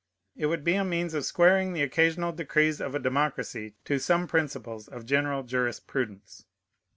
It would be a means of squaring the occasional decrees of a democracy to some principles of general jurisprudence.